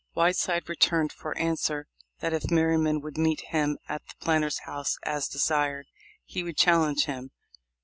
Whiteside returned for answer that if Merry man would meet him at the Planter's House as desired, he would challenge him.